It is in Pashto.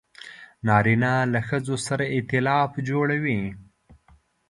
نارینه له ښځو سره ایتلاف جوړوي.